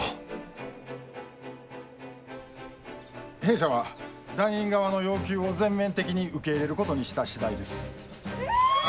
「弊社は団員側の要求を全面的に受け入れることにした次第です」。